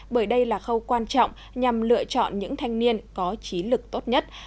bởi đây là khâu quan trọng nhằm lựa chọn những thanh niên có trí lực tốt nhất